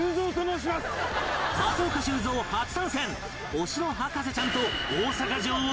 お城博士ちゃんと大阪城を攻める！